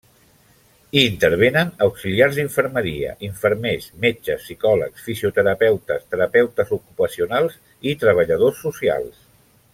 Hi intervenen: auxiliars d'infermeria, infermers, metges, psicòlegs, fisioterapeutes, terapeutes ocupacionals i treballadors socials.